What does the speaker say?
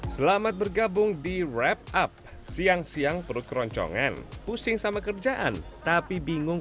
selamat bergabung di wrap up siang siang perut keroncongan pusing sama kerjaan tapi bingung